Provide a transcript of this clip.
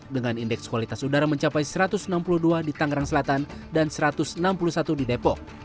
dengan indeks kualitas udara mencapai satu ratus enam puluh dua di tangerang selatan dan satu ratus enam puluh satu di depok